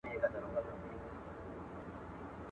o ماجت د گوزو ځاى نه دئ.